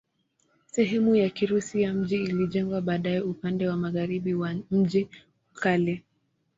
Sehemu ya Kirusi ya mji ilijengwa baadaye upande wa magharibi wa mji wa kale.